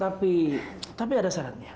tapi tapi ada sarannya